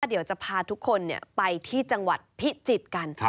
เดี๋ยวจะพาทุกคนไปที่จังหวัดพิจิตรกัน